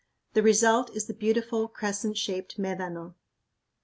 The result is the beautiful crescent shaped médano.